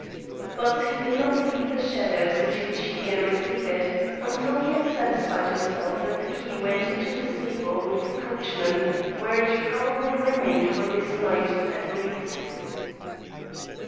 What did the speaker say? But he did not leave the shadows into which he again receded until he had satisfied himself that the key went into the stable with the coachman, where it probably remained for this night, at least.